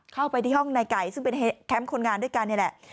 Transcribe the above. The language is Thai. เข้าไปที่ห้องในไก่ซึ่งเป็นแคมป์คนงานด้วยกันนี่แหละ